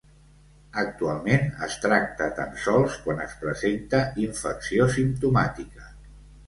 Actualment es tracta tan sols quan es presenta infecció simptomàtica.